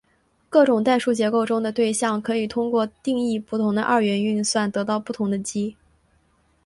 各种代数结构中的对象可以通过定义不同的二元运算得到不同的积。